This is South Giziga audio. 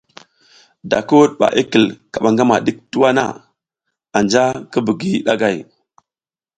Da ki wuɗ bak i kil kaɓa ngama ɗik tuwa na, anja ki bidi ɗagay.